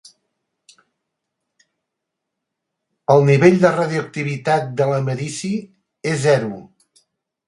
El nivell de radioactivitat de l'americi és zero.